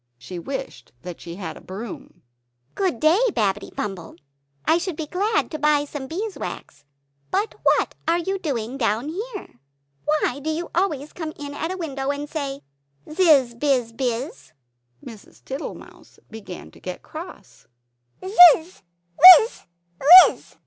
She wished that she had a broom. "Good day, Babbitty Bumble; I should be glad to buy some bees wax. But what are you doing down here? Why do you always come in at a window, and say, Zizz, Bizz, Bizzz?" Mrs. Tittle mouse began to get cross. "Zizz, Wizz, Wizzz!"